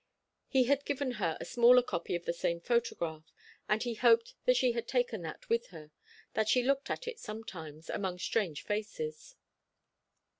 He had given her a smaller copy of the same photograph, and he hoped that she had taken that with her, that she looked at it sometimes, among strange faces.